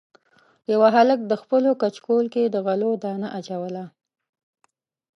یوه هلک د خپلو کچکول کې د غلو دانه اچوله.